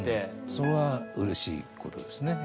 それはうれしいことですね。